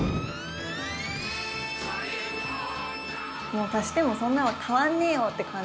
もう足してもそんな変わんねえよって感じですかね？